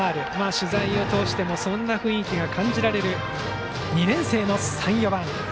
取材を通してもそんな雰囲気が感じられる２年生の３、４番。